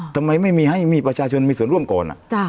ทำไมไม่มีให้มีประชาชนมีส่วนร่วมก่อน